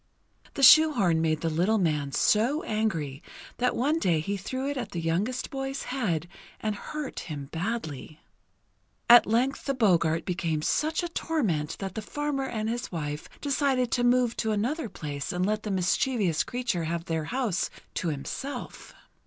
The shoehorn made the little man so angry that one day he threw it at the youngest boy's head and hurt him badly. At length the Boggart became such a torment that the farmer and his wife decided to move to another place and let the mischievous creature have their house to himself.